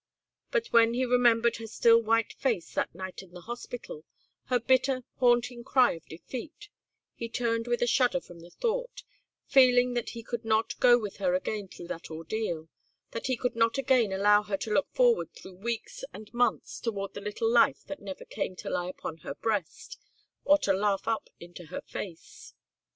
But when he remembered her still white face that night in the hospital, her bitter, haunting cry of defeat, he turned with a shudder from the thought, feeling that he could not go with her again through that ordeal; that he could not again allow her to look forward through weeks and months toward the little life that never came to lie upon her breast or to laugh up into her face.